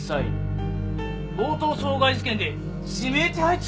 強盗傷害事件で指名手配中！？